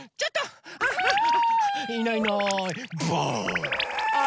いないいないばあっ！